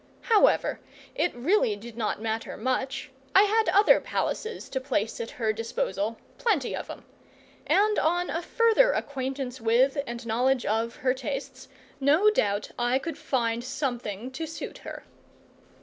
However, it really did not matter much; I had other palaces to place at her disposal plenty of 'em; and on a further acquaintance with and knowledge of her tastes, no doubt I could find something to suit her.